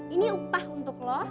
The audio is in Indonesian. ini upah untuk lu